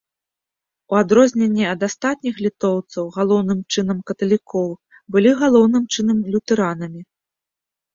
У адрозненне ад астатніх літоўцаў, галоўным чынам каталікоў, былі галоўным чынам лютэранамі.